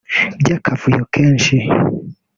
by’akavuyo kenshi